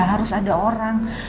harus ada orang